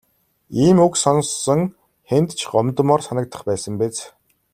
Ийм үг сонссон хэнд ч гомдмоор санагдах байсан биз.